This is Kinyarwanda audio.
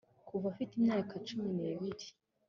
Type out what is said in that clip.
kuva afite imyaka cumi n'ibiri